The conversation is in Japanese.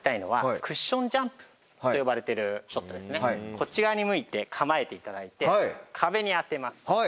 こっち側に向いて構えていただいて壁に当てます。